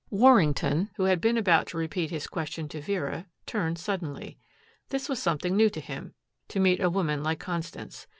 Warrington, who had been about to repeat his question to Vera, turned suddenly. This was something new to him, to meet a woman like Constance.